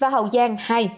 hậu giang hai